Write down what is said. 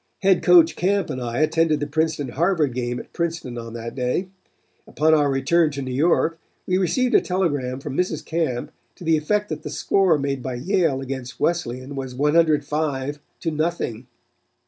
"Head Coach Camp and I attended the Princeton Harvard game at Princeton on that day. Upon our return to New York we received a telegram from Mrs. Camp to the effect that the score made by Yale against Wesleyan was 105 to nothing.